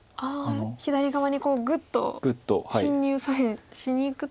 左側にグッと侵入左辺しにいくと。